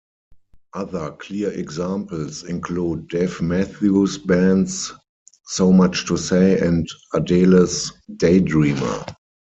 Other clear examples include Dave Matthews Band's "So Much To Say" and Adele's "Daydreamer".